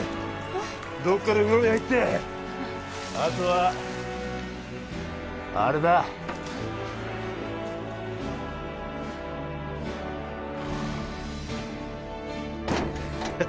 どっかで風呂に入ってあとはあれだえっ？